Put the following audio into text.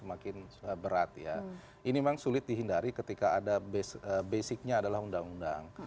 makin berat ya ini memang sulit dihindari ketika ada basicnya adalah undang undang